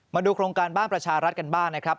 มาดูโครงการบ้านประชารัฐกันบ้างนะครับ